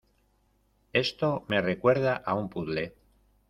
Esto me recuerda a un puzle.